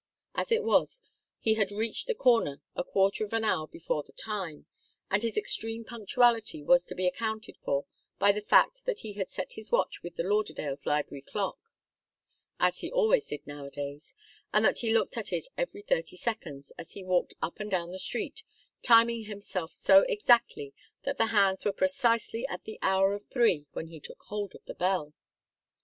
As it was, he had reached the corner a quarter of an hour before the time, and his extreme punctuality was to be accounted for by the fact that he had set his watch with the Lauderdales' library clock, as he always did nowadays, and that he looked at it every thirty seconds, as he walked up and down the street, timing himself so exactly that the hands were precisely at the hour of three when he took hold of the bell.